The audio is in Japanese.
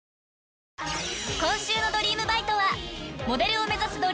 ［今週の『ドリームバイト！』はモデルを目指す